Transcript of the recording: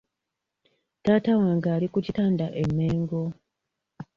Taata wange ali ku kitanda e Mengo.